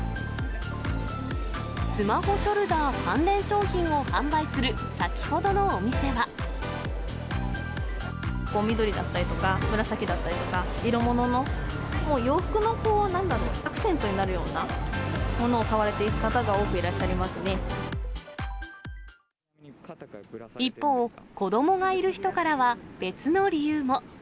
スマホショルダー関連商品を販売結構緑だったりとか、紫だったりとか、色物の洋服の、こう、なんだろう、アクセントになるようなものを買われていく方が多くいらっしゃい一方、子どもがいる人からは、別の理由も。